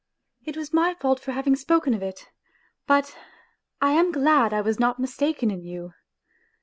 " It's my fault for having spoken of it; but I am glad I was not mistaken in you.